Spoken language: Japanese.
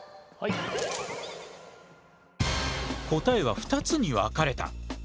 答えは２つに分かれた。